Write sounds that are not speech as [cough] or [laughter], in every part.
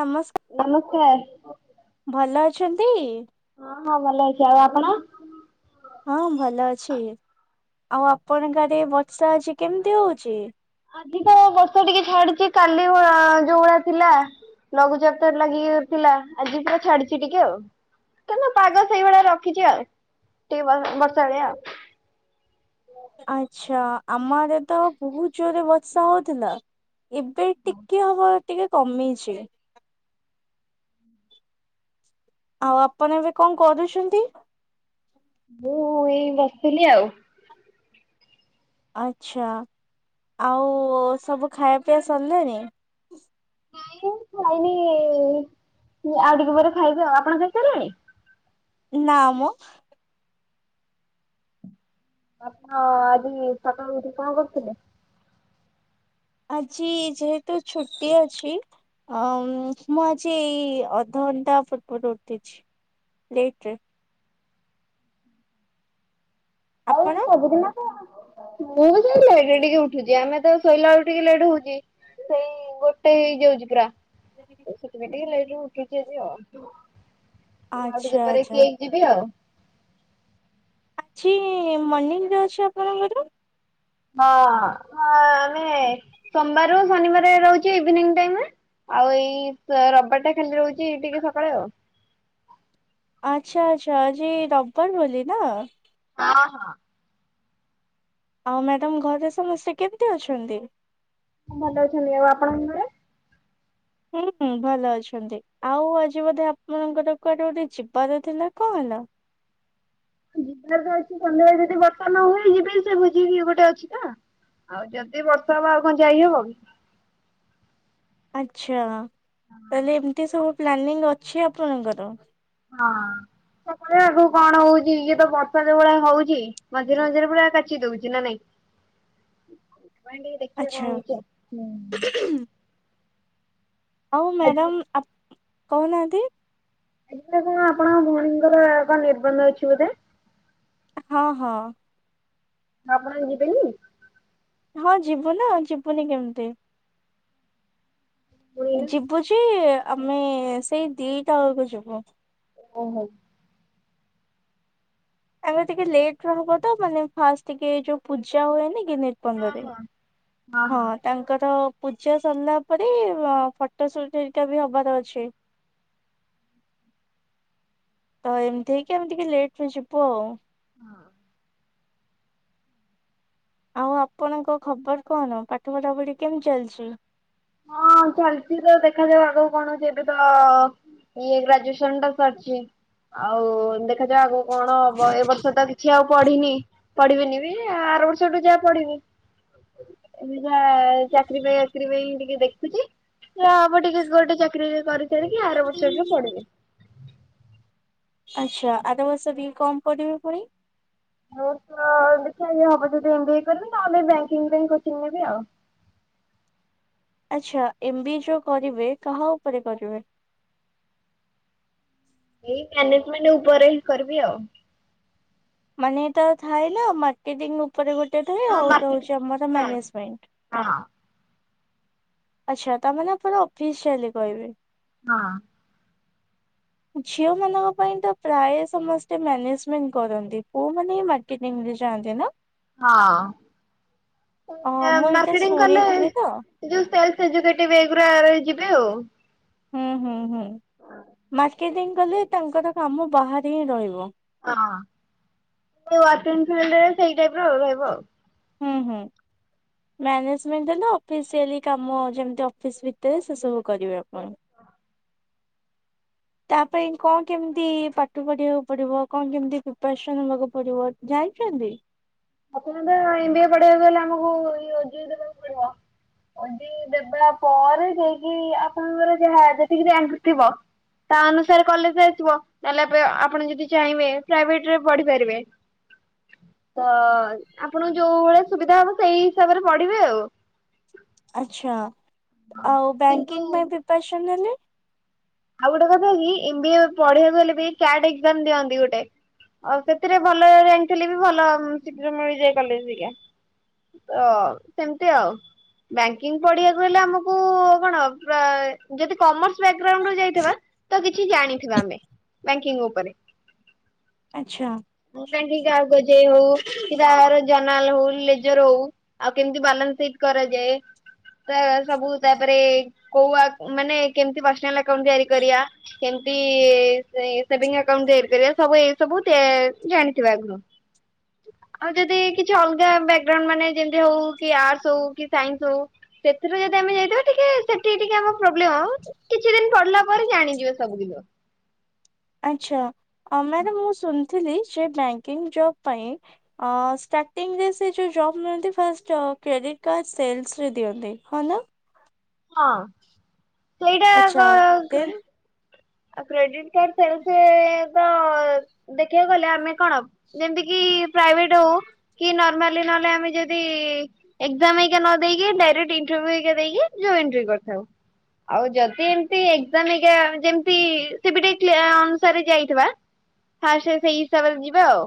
ନମସ୍କାର। ନମସ୍କାର। ଭଲ ଅଛନ୍ତି? ହଁ ହଁ ଭଲ ଅଛି। ଆଉ ଆପଣ? ହଁ ଭଲ ଅଛି। ଆଉ ଆପଣଙ୍କ ଆଡେ ବର୍ଷା ଆଜି କେମିତି ହୋଉଛି? ଅଧିକ ବର୍ଷା ଟିକେ ଛାଡୁଛି କାଲି ଯୋଉଭଳିଆ ଥିଲା ଲଘୁଚାପ ଟା ଲାଗିକି ଥିଲା ଆଜି ପୁରା ଛାଡିଛି ଟିକେ ଆଉ। ତ ନା ପାଗ ସେଇଭଳିଆ ରଖିଛି ଆଉ ଟିକେ ବ ବର୍ଷାଳିଆ ଆଉ। ଆଚ୍ଛା ଆମ ଆଡ଼େ ତ ବହୁତ ଜୋରେ ବର୍ଷା ହୋଉଥିଲା। ଏବେ ଟିକେ ହବ ଟିକେ କମିଛି। ଆଉ ଆପଣ ଏବେ କଣ କରୁଛନ୍ତି? ମୁଁ ଏଇ ବସିଥିଲି ଆଉ। ଅଚ୍ଛା ଆଉ ସବୁ ଖାଇବା ପିଇବା ସରିଲାଣି? ନାଇଁ ଖାଇନି ଆଉ ଟିକେ ପରେ ଖାଇବି ଆଉ। ଆପଣ ଖାଇସାରିଲେଣି? ନାଁମ। ଆପଣ ଆଜି ସକାଳୁ ଉଠି କଣ କରୁଥିଲେ? ଆଜି ଯେହେତୁ ଛୁଟି ଅଛି ଅ ମୁଁ ଆଜି ଏଇ ଅଧଘଣ୍ଟା ପୂର୍ବରୁ ଉଠିଛି ଲେଟରେ। ଆଉ ଆପଣ? ସବୁଦିନ ମୁଁ ବି ସେଇ ଲେଟରେ ଟିକେ ଉଠୁଛି ଆମେ ତ ଶୋଇଲା ବେଳକୁ ଟିକେ ଲେଟ୍ ହୋଉଛି ସେଇ ଗୋଟେ ହେଇଯାଉଛି ପୁରା। ସେଥିପାଇଁ ଟିକେ ଲେଟରେ ଉଠିଛି ଆଜି ଆଉ। ଏ ଆଉ ଆଚ୍ଛା ଟିକେ ପରେ ଆଚ୍ଛା କି ଏଇ ଯିବି ଆଉ। ଅଛି ମର୍ଣ୍ଣିଂରେ ଅଛି ଆପଣଙ୍କର? ହଁ ଆମେ ସୋମବାରରୁ ଶନିବାର ରହୁଛେ ଇଭିନିଂ ଟାଇମରେ। ଆଉ ଏଇ ରବିବାର ଟା ଖାଲି ରହୁଛି ଟିକେ ସକାଳେ ଆଉ। ଆଚ୍ଛା ଆଚ୍ଛା ଆଜି ରବିବାର ବୋଲି ନା? ହଁ ହଁ। ଆଉ ମ୍ୟାଡ଼ାମ ଘରେ ସମସ୍ତେ କେମିତି ଅଛନ୍ତି? ହଁ ଭଲ ଅଛନ୍ତି। ଆଉ ଆପଣଙ୍କ ଘରେ? ହୁଁ ହୁଁ ଭଲ ଅଛନ୍ତି। ଆଉ ଆଜି ବୋଧେ ଆପଣଙ୍କର କୁଆଡେ ଗୋଟେ ଯିବାର ଥିଲା କଣ ହେଲା? ଯିବାର ତ ଅଛି ସନ୍ଧ୍ୟାବେଳେ ଯଦି ବର୍ଷା ନହୁଏ, ଯିବି ସେ ଭୋଜି ଗୋଟେ ଅଛି ତ ଆଉ ଯଦି ବର୍ଷା ହବ ଆଉ କଣ ଯାଇହବ କି। ଆଚ୍ଛା ତାହେଲେ ଏମିତି ସବୁ ପ୍ଲାନିଂ ଅଛି ଆପଣଙ୍କର। ହଁ ଦେଖାଯାଉ ଆଗକୁ କଣ ହୋଉଛି ଇଏ ତ ବର୍ଷା ଯେଉଭଳିଆ ହୋଉଛି। ମଝିରେ ମଝିରେ ପୁରା କାଚି ଦଉଛି ନା ନାଇଁ? ଭାଈ ଟିକେ ଦେଖିବା କଣ ଆଚ୍ଛା। ହଉଚି ଆଉ। ହଁ ଆଜି ମ୍ୟାଡ଼ାମ ଆପ କହୁନାହାନ୍ତି? ଆଜି ପା କଣ ଆପଣଙ୍କ ଭଉଣୀଙ୍କର କଣ ନିର୍ବନ୍ଧ ଅଛି ବୋଧେ। ହଁ ହଁ। ଆପଣ ଯିବେନି? ହଁ ଯିବୁ ନା ଯିବୁନି କେମିତି। ପୁଣି ଯିବୁ ଯେ ଆମେ ସେଇ ଦିଟା ବେଳକୁ ଯିବୁ। ଓହୋ। ଆମେ ଟିକେ ଲେଟ୍ ରେ ହବ ତ ମାନେ ଫାଷ୍ଟ ଟିକେ ଯୋଉ ପୂଜା ହୁଏନି କିିନେ ହଁ ପରେ ହଁ। ହଁ। ତାଙ୍କର ପୂଜା ସରିଲା ପରେ ଫଟୋ ସୁଟିକା ବି ହବାର ଅଛି। ତ ଏମିତି ହେଇକି ଆମେ ଟିକେ ଲେଟ୍ ରେ ଯିବୁ ଆଉ। ହଁ। ଆଉ ଆପଣଙ୍କ ଖବର କଣ ପାଠ ପଢା ପଢି କେମିତି ଚାଲିଚି। ହଁ ଚାଲିଛି ତ ଦେଖାଯାଉ ଆଗକୁ କଣ ହଉଚି। ଏବେ ତ ଇଏ ଗ୍ରାଜୁଏସନ ଟା ସରିଚି। ଆଉ ଦେଖାଯାଉ ଆଗକୁ କଣ ହବ ଏ ବର୍ଷ ତ କିଛି ଆଉ ପଢିନି। ପଢିବେନି ବି ଆର ବର୍ଷଠୁ ଯାହା ପଢିବି। ଅଭିକା ଚାକିରି ପାଇଁ ବାକିରି ପାଇଁ ଟିକେ ଦେଖୁଛି। ଆମ ଟିକେ ଗୋଟେ ଚାକିରି ବାକିରି କରିସାରି ଆର ବର୍ଷକୁ ପଢିବେ? ଆଚ୍ଛା ଆର ବର୍ଷ ବି କମ ପଢିବେ ପୁଣି? ମୁଁ ତ ଦେଖିବା ହବ ଯଦି ଏମ ବି ଏ କରିବି ନହେଲେ ବଙ୍କିଙ୍ଗ ପାଇଁ କୋଚିଂ ନେବି ଆଉ। ଆଚ୍ଛା ଏମ ବି ଏ ଯୋଉ କରିବେ କାହା ଉପରେ କରିବେ। ଏଇ ମ୍ୟାନେଜ ମେଟ ଉପରେ ହିଁ କରିବି ଆଉ। ମାନେ ଏଟା ଥାଏ ନା ମାର୍କେଟିଂ ଉପରେ ଗୋଟେ ଥାଏ ହଁ ଆଉ ଗୋଟା ମାର୍କେଟ ହଉଛି ଆମର ହଁ ମ୍ୟାନେଜମେଣ୍ଟ। ହଁ। ଆଚ୍ଛା ତା ମାନେ ଆପଣ ଅଫିସ ଚାଲି କହିବେ। ହଁ। ଝିଅ ମାନଙ୍କ ପାଇଁ ତ ପ୍ରାୟ ସମସ୍ତେ ମ୍ୟାନେଜମେଣ୍ଟ କରନ୍ତି। ପୁଅ ମାନେ ମାର୍କେଟରେ ଯାଆନ୍ତି ନା। ହଁ। ହଁ ମୁଁ ଏଇଟା ମାର୍କେଟିଂ କଲେ ଏଇ ଶୁଣିଥିଲି ତ ଯଉ ଶେଲେଷ୍ ଏକଜୁକେଟିଭ ରହିଯିବେ ଆଉ। ହୁଁ ହୁଁ ହୁଁ ମାର୍କେଟିଂ କଲେ ତାଙ୍କର କାମ ବାହାରେ ହିଁ ରହିବ। ହଁ [unintelligible] ସେଇ ଟାଇପ ର ରହିବ ଆଉ। ହୁଁ ହୁଁ। ମ୍ୟାନେଜମେଣ୍ଟ ହେଲେ ଅଫିସିଆଲି କାମ ଯେମିତି ଅଫିସ୍ ଭିତରେ ସେସବୁ କରିବେ ଆପଣ। ତା ପାଇଁ କଣ କେମିତି ପାଠ ପଢିବାକୁ ପଡିବ କଣ କେମିତି ପ୍ରିପାରେସନ ହେବାକୁ ପଡିବ ଜାଣିଛନ୍ତି। ଆପଣ ତ ଏମ ବି ଏ ପଢବାକୁ ହେଲେ ଆମକୁ ତ ଅ ଜେ ଇ ଦେବାକୁ ପଡିବ। ଅ ଜେ ଇ ଦେବା ପରେ ଯାଇକି ଆପଣଙ୍କର ଯାହା ଯେତିକି ରାଙ୍କ ଥିବ। ତା ଅନୁସାରେ କଲେଜ ଆସିବ। ତାହେଲେ ଆପଣ ଯଦି ଚାହିଁବେ ପ୍ରାଇଭେଟରେ ପଢିପାରିବେ। ତ ଆପଣଙ୍କୁ ଯୋଉ ଭଳିଆ ସୁବିଧା ହବ ସେଇ ହିସାବରେ ପଢିବେ ଆଉ। ଆଛା ଆଉ କିନ୍ତୁ ବ୍ୟାଙ୍କିଙ୍ଗ ପାଇଁ ପ୍ରିପେରେସନ ହେଲେ ଆଉ ଗୋଟେ କଥା କି ଏମ ବି ଏ ପଢେଇିବାକୁ ଗଲେ କ୍ୟାଟ ଏକଜାମ ଦିଅନ୍ତି ଗୋଟେ। ଆଉ ସେଥିରେ ଭଲ ରାଙ୍କ ଥିଲେ ବି ଭଲ ଶୀଘ୍ର ମିଳିଯାଏ କଲେଜ ଆରିକା। ତ ସେମିତି ଆଉ। ବ୍ୟାଙ୍କିଙ୍ଗ ପଢିବାକୁ ହେଲେ ଆମକୁ କଣ ପ୍ରାୟ ଯଦି କମର୍ସ ବେଗ୍ ରାଉଣ୍ଡ ଥିବା କିଛି ଜାଣିଥିବା ଆମେ ବ୍ୟାଙ୍କିଙ୍କ ଉପରେ। ଆଚ୍ଛା ହଁ କାହିଁକି ଅ ଜେ ଇ ହଉ କି ଜନାଲ ହଉ ଲେଜର ହଉ ଆଉ କେମିତି ବାଲାନ୍ସ ସିଟ କରାଯାଏ। ତ ସବୁ ତାପରେ କୋଉ ଆ ମାନେ କେମିତି ପର୍ସନାଲ ଆଉଣ୍ଟ ତିଆରି କରିଆ? କେମତି ସେଭିଙ୍ଗ ଆକାଉଣ୍ଟ ତିଆରି କରିବା, ସବୁ ଏଇ ସବୁ ଜାଣିଥିବେ ଆଗରୁ। [inaudible] ଆଉ ଯଦି କିଛି ଅଲଗା ବ୍ୟାକଗ୍ରାଉଣ୍ଡ ମାନେ ଯେମତି ହଉ କି ଆର୍ଟସ ହଉ କି ସାଇନ୍ସ ହଉ ସେଥିରୁ ଯଦି ଆମେ ଯାଇଥିବୁ ଟିକେ ସେଠି ଟିକେ ହବ ପ୍ରୋବ୍ଲେମ, ହଁ କିଛି ଦିନ ପଡିଲା ପରେ ଜାଣିଯିବ ସବୁ ଜିନିଷ। ଆଚ୍ଛା। ଅ ମ୍ୟାଡ଼ାମ ମୁଁ ଶୁଣିଥିଲି ସେ ବ୍ୟାଙ୍କିଙ୍ଗ ଜବ ପାଇଁ ଅଁ ଷ୍ଟାର୍ଟିଂରେ ସେ ଯେଉଁ ଜବ୍ ମିଳନ୍ତି ଫାଷ୍ଟ କ୍ରେଡ଼ିଟ୍ କାର୍ଡ଼ ସେଲ୍ସରେ ଦିଅନ୍ତି ହଁ ନା? ହଁ ସେଇଟା, ଆଚ୍ଛା କ କ୍ର ଦେନ୍ ଆଉ କ୍ରେଡିଟ କାର୍ଡ ସେଲସ୍ ରେ ତ ଦେଖିବାକୁ ଗଲେ ଆମେ କଣ ଯେମତି କିି ପ୍ରାଇଭେଟ ହଉ କି ନର୍ମାଲି ନହେଲେ ଆମେ ଯଦି ଏକ୍ଜାମ ଏଇକିନା ନ ଦେଇକି ଡାଇରେକ୍ଟ ଇଣ୍ଟରଭିଉ ହେରିକା ଦେଇକି ଯଉ ଏନଟିରି କରିଥାଉ ଆଉ ଯଦି ଏମତି ଏକଜାମ ହେରିକା ଯେମତି ସି ବି ଟି ପ୍ଲେ-ଅନୁସାରେ ଯାଇଥିବା, ଫାଷ୍ଟ ସେଇ ହିସାବରେ ଯିବା ଆଉ।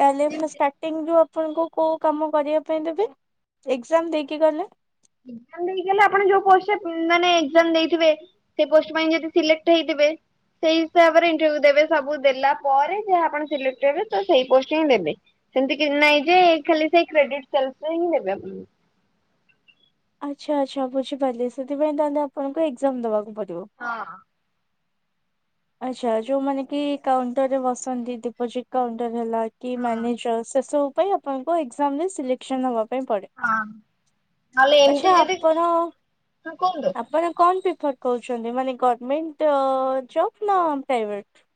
ତାହେଲେ ଯେମିତି ଷ୍ଟାର୍ଟିଙ୍ଗ ରୁ ଆପଣଙ୍କୁ କୋଉ କାମ କରିବା ପାଇଁ ଦେବେ? ଏକ୍ଜାମ ଦେଇକି ଗଲେ? ଏକ୍ଜାମ ଦେଇକି ଗଲେ, ଆପଣ ଯୋଉ ପୋଷ୍ଟ ରେ ମାନେ ଏକ୍ଜାମ ଦେଇଥିବେ ସେ ପୋଷ୍ଟ ପାଇଁ ଯଦି ସିଲେକ୍ଟ ହେଇଥିବେ ସେଇ ହିସାବରେ ଇଣ୍ଟରଭ୍ୟୁ ଦେବେ। ସବୁ ଦେଲା ପରେ, ଯାହା ଆପଣ ସିଲେକ୍ଟ ହେବେ ତ ସେଇ ପୋଷ୍ଟ ହଁ ଦେବେ। ସେମିତି କିଛି ନାଇଁ ଯେ, ଖାଲି ସେଇ କ୍ରେଡିଟ୍ ସେଲସରେ ହିଁ ନେବେ। ଆଚ୍ଛା ଆଚ୍ଛା। ବୁଝିପାରିଲି ସେଥିପାଇଁ ତାହେଲେ ଆପଣଙ୍କୁ ଏକ୍ଜାମ ଦେବାକୁ ପଡିବ। ହଁ। ଆଚ୍ଛା ଯୋଉମାନେ କି କାଉଣ୍ଟର ରେ ବସନ୍ତି। ଡିପୋଜିଟ୍ କାଉଣ୍ଟର ହେଲା, କି ମ୍ୟାନେଜର, ସେ ସବୁ ପାଇଁ ଆପଣଙ୍କ ଏକ୍ଜାମ ରେ ସିଲେକ୍ସନ ହବା ପାଇଁ ପଡିବ। ହଁ। ନହେଲେ ଏମିତି ଆଚ୍ଛା ଯଦି ଆପଣ, ହଁ କୁହନ୍ତୁ ଆପଣ କଣ ପିପର କହୁଛନ୍ତି? ମାନେ ଗଭର୍ମେଣ୍ଟ ଜବ୍ ନା ପ୍ରାଇଭେଟ?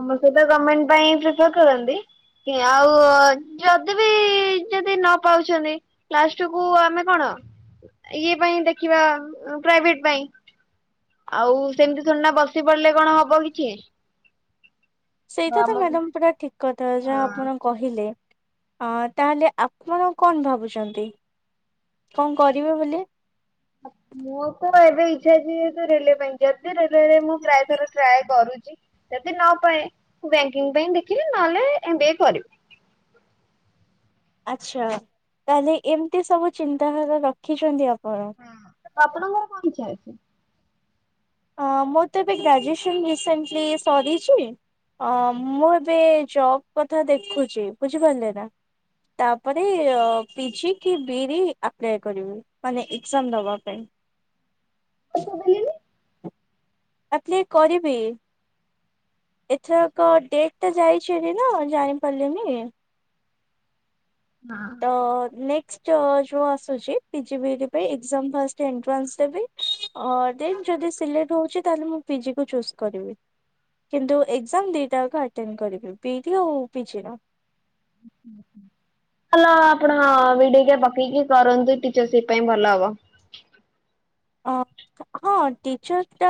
ସମସ୍ତେ ତ ଗମେଣ୍ଟ ପାଇଁ ପ୍ରିପାୟାର କରନ୍ତି ଆଉ ଯଦି ବି ଯଦି ନ ପାଉଛନ୍ତି ଲାଷ୍ଟ କୁ ଆମେ କଣ, ଇଏ ପାଇଁ ଦେଖିବା ପ୍ରାଇଭେଟ ପାଇଁ। ଆଉ ସେମିତି ତୋଡ଼ି ନା ବସି ପଡିଲେ କଣ ହବ କିଛି। ସେଇଟା ତ ଆମକୁ ମ୍ୟାଡାମ ପୁରା ଠିକ୍ କଥା। ଯାହା ହଁ। ଆପଣ କହିଲେ। ଅ ତାହେଲେ ଆପଣ କଣ ଭାବୁଛନ୍ତି? କଣ କରିବେ ବୋଲି? ଆ ମୋରତ ଏବେ ଇଚ୍ଛା ଅଛି ରେଲୱେ ପାଇଁ, ଯଦି ରେୱରେ ମୁଁ ପ୍ରାୟଥର ଟ୍ରାଏ କରୁଛି ଯଦି ନପାଏ। ବ୍ୟାଙ୍କିଙ୍ଗ ପାଇଁ ଦେଖିବି। ନହେଲେ ଏମ୍ ବି ଏ କରିବି। ଆଚ୍ଛା। ତାହେଲେ ଏମିତି ସବୁ ଚିନ୍ତାଧାରା ରଖିଛନ୍ତି ଆପଣ? ହୁଁ। ଆପଣଙ୍କର କଣ ଇଛା ଅଛି? ଅଁ ମୋର ତ ଏବେ ଗ୍ରାଜୁଏସନ୍ ରିସେଣ୍ଟଲି ସରିଚି ଅ ମୁଁ ଏବେ ଜବ କଥା ଦେଖୁଛି। ବୁଝିପାରିଲେ ନା। ତାପରେ ପିଜି କି ବି ରି ଆପ୍ଲାଏ କରିବି। ମାନେ ଏକ୍ଜାମ ଦବା ପାଇଁ। ଆପ୍ଲାଏ କରିବି। ଏଥରକ ଡେଟ ଟା ଯାଇଛି ନା ଜାଣି ପାରିଲିନି। ନାଁ। ଅ ନେଷ୍ଟ ଯୋଉ ଆସୁଛି ପିଜିି ବି ଇ ଡି ପାଇଁ, ଏକଜାମ ଫାଷ୍ଟ ଏଟ୍ରାନ୍ସ ଦେବି ଅଁ ଦେନ୍ ଯଦି ସିଲେକ୍ଟ ହଉଛି, ତାହେଲେ ମୁଁ ପିଜି କୁ ଚୁଜ କରିବି। କିନ୍ତୁ ଏକ୍ଜାମ ଦିଟାଙ୍କ ଆଟେଣ୍ଡ କରିବି, ବି ଡି ଆଉ ପି ଜି ର। ଉଁ ହୁଁ। ହଲ ଆପଣ [unintelligible] ପକେଇକି କରନ୍ତୁ ଟିଚର୍ ସିପ ପାଇଁ ଭଲ ହବ। ଅ [inaudible] ହଁ ଟିଚର ଟା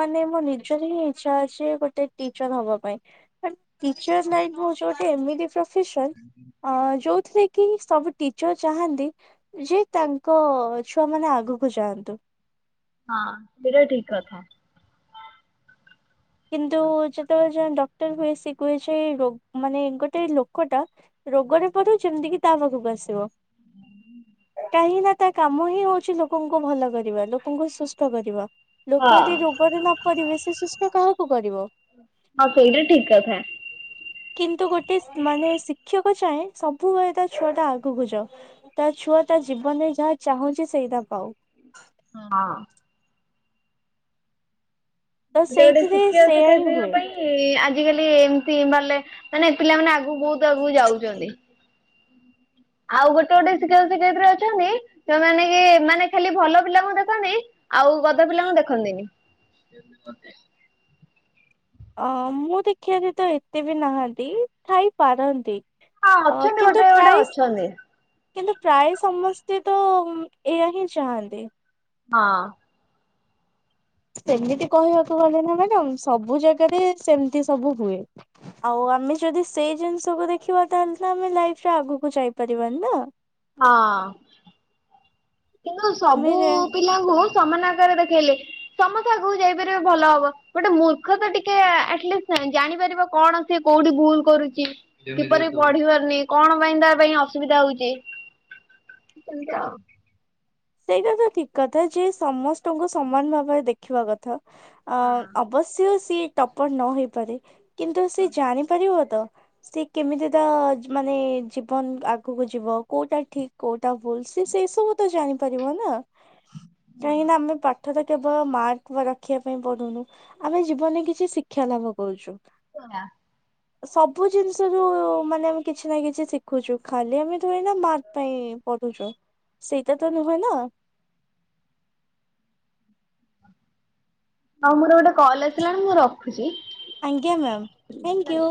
ମାନେ ମୋ ନିଜର ହିଁ ଇଚ୍ଛା ଅଛି ଗୋଟେ ଟିଚର ହବା ପାଇଁ। ଟିଚର୍ ଲାଇନ ହୋଉଚି ଗୋଟେ ଏମିତି ପ୍ରୋଫେସନ୍ ଅ ଯୋଉଥିରେ କି ସବୁ ଟିଚର ଚାହାନ୍ତି ଯେ ତାଙ୍କ ଛୁଆ ମାନେ ଆଗକୁ ଯାଆନ୍ତୁ। ହଁ ସେଇଟା ଠିକ କଥା। କିନ୍ତୁ ଯେତେବେଳେ ଯଣେ ଡକ୍ଟର ହୁଏ ସେ କୁହେ ଯେ ରୋ ମାନେ ଗୋଟେ ଲୋକଟା ରୋଗରେ ପଡୁ ଯେମିତି କିି ତା ପାଖକୁ ଆସିବ। କାହିଁକି ନା ତା କାମ ହିଁ ହଉଛି ଲୋକଙ୍କୁ ଭଲ କରିବା ଲୋକଙ୍କୁ ସୁସ୍ଥ କରିବା। ହଁ ଲୋକ ଯଦି ରୋଗରେ ନପଡ଼ିବେ ସେ ସୁସ୍ଥ କାହାକୁ କରିବ। ହଁ ସେଇଟା ଠିକ କଥା। କିନ୍ତୁ ଗୋଟେ ମାନେ ଶିକ୍ଷକ ଚାହେଁ ସବୁବେଳେ ତା ଛୁଆ ଟା ଆଗକୁ ଯାଉ। ତା ଛୁଆ ତା ଜୀବନ ରେ ଯାହା ଚାହୁଁଛି ସେଇଟା ପାଉ। ହଁ। ତ ଗୋଟେ ଗୋଟେ ସେଇଥିରେ ଶିକ୍ଷକ ସେଇୟା ହିଁ ଶିକ୍ଷୟତ୍ରିଙ୍କ ହୁଏ। ପାଇଁ ଆଜିକାଲି ଏମିତି ନଲେ ମାନେ ପିଲାମାନେ ଆଗକୁ ବହୁତ ଆଗକୁ ଯାଉଛନ୍ତି। [inaudible] ଆଉ ଗୋଟେ ଗୋଟେ ଶିକ୍ଷକ ଶିକ୍ଷୟତ୍ରୀ ଅଛନ୍ତି ଯୋଉମାନେ କି ମାନେ ଖାଲି ଭଲ ପିଲାଙ୍କୁ ଦେଖନ୍ତିି। ଆଉ ଗଧ ପିଲାଙ୍କୁ ଦେଖନ୍ତିନି। [unintelligible] ଅ ମୁଁ ଦେଖିବା ରେ ତ ଏତେ ବି ନାହାନ୍ତି ଥାଇ ପାରନ୍ତି। ହଁ ଅ ଅଛନ୍ତି କିନ୍ତୁ ଗୋଟେ ଗୋଟେ ପ୍ରାଇସ ଅଛନ୍ତି। କିନ୍ତୁ ପ୍ରାୟ ସମସ୍ତେ ତ ଏଇଆହିଁ ଚାହାନ୍ତି। ହଁ। ସେମିତି କହିବାକୁ ଗଲେ ନା ମ୍ୟାଡ଼ାମ୍ ସବୁ ଜାଗାରେ ସେମିତି ସବୁ ହୁଏ। ଆଉ ଆମେ ଯଦି ସେଇ ଜିନିଷକୁ ଦେଖିବା ତାହେଲେ ତ ଆମେ ଲାଇଫରେ ଆଗକୁ ଯାଇପାରିବାନି ନା। ହଁ। କିନ୍ତୁ ସବୁ ଆମେ ପିଲାଙ୍କୁ ସମାନ ଆକାରରେ ଦେଖେଇଲେ ସମସ୍ତେ ଆଗକୁ ଯାଇପାରିବେ ଭଲ ହବ ଗୋଟେ ମୂର୍ଖ ତ ଟିକେ ଆଟଲିଷ୍ଟ ଜାଣିପାରିବ କଣ? ସେଏ କୋଉଠି ଭୁଲ କରୁଛି। କିପରି ପଢ଼ି ପାରୁନି କଣ ପାଇଁ ତା ପାଇଁ ଅସୁବିଧା ହଉଛି ସେମତି ଆଉ। ସେଇଟା ତ ଠିକ କଥା ଯେ ସମସ୍ତଙ୍କୁ ସମାନ ଭାବରେ ଦେଖିବା କଥା ଅ ଅବଶ ଶ୍ୟ ସିଏ ଟପର ନ ହେଇପାରେ କିନ୍ତୁ ସିଏ ଜାଣିପାରିବ ତ ସେ କେମିତି ତା ମାନେ ଜୀବନ ଆଗକୁ ଯିବ କଉଟା ଠିକ୍ କଉଟା ଭୁଲ୍ ସିଏ ସେ ସବୁ ତ ଜାଣି ପାରିବନା କାହିଁକି ନା ଆମେ ପାଠ ତ କେବଳ ମାର୍କ ରଖିବା ପାଇଁ ପଢ଼ୁନୁ ଆମେ ଜୀବନରେ କିଛି ଶିକ୍ଷା ଲାଭ କରୁଛୁ। [unintelligible] ସବୁ ଜିନିଷରୁୁ ମାନେ ଆମେ କିଛି ନା କିଛି ଶିଖୁଛୁ ଖାଲି ଆମେ ତ ଏଇନା ମାର୍ ପାଇଁ ପଢ଼ୁଛୁ ସେଇଟା ତ ନୁହେଁ ନା। ହଉ ମୋର ଗୋଟେ କଲ ଆସିଲାଣି ମୁଁ ର ଖୁଛି ଆଜ୍ଞା ମ୍ୟାମ୍ ଥ୍ୟାଙ୍କୟୁ।